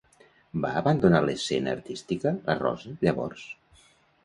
Va abandonar l'escena artística, la Rosa, llavors?